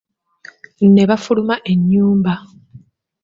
Nebafuluma ennyumba.